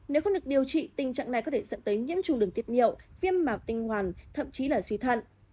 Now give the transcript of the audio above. nếu không được điều trị tình trạng này có thể dẫn tới nhiễm trùng đường tiết niệu viêm màu tinh hoàn thậm chí là suy thận